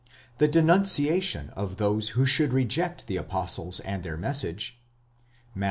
the denunciation of those who should reject the apostles and their message (Matt.